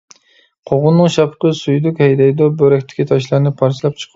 قوغۇننىڭ شاپىقى سۈيدۈك ھەيدەيدۇ، بۆرەكتىكى تاشلارنى پارچىلاپ چىقىرىدۇ.